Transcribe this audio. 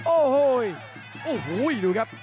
โอ้โหโอ้โหดูครับ